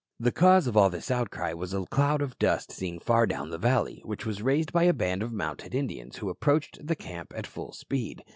The cause of all this outcry was a cloud of dust seen far down the valley, which was raised by a band of mounted Indians who approached the camp at full speed.